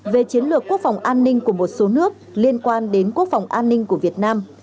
về chiến lược quốc phòng an ninh của một số nước liên quan đến quốc phòng an ninh của việt nam